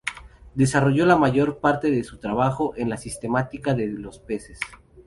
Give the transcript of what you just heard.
Desarrolló la mayor parte de su trabajo en la sistemática de los peces.